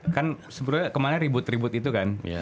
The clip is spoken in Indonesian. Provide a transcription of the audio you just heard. kan sebenarnya kemarin ribut ribut itu kan